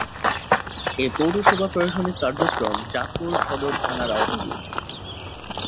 এ পৌরসভার প্রশাসনিক কার্যক্রম চাঁদপুর সদর থানার আওতাধীন।